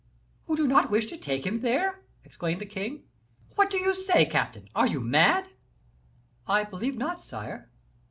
"Who do not wish to take him there!" exclaimed the king. "What do you say, captain! Are you mad?" "I believe not, sire."